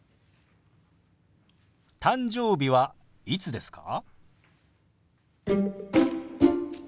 「誕生日はいつですか？」。